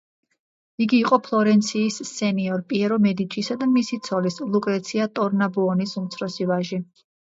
იგი იყო ფლორენციის სენიორ პიერო მედიჩისა და მისი ცოლის, ლუკრეცია ტორნაბუონის უმცროსი ვაჟი.